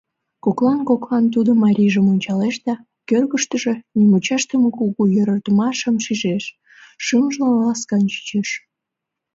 Коклан-коклан тудо марийжым ончалеш да кӧргыштыжӧ нимучашдыме кугу йӧратымашым шижеш, шӱмжылан ласкан чучеш.